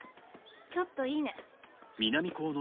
ちょっといいね？